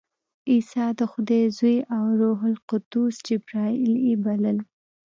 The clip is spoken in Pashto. عیسی د خدای زوی او روح القدس جبراییل یې بلل.